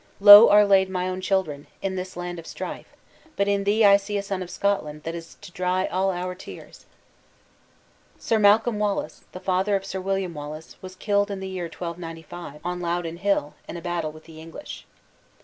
Low are laid my own children, in this land of strife, but in thee I see a son of Scotland that is to dry all our tears." Sir Malcolm Wallace, the father of Sir William Wallace, was killed in the year 1295, on Loudon Hill, in a battle with the English.